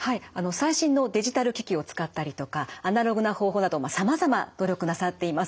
最新のデジタル機器を使ったりとかアナログな方法などさまざま努力なさっています。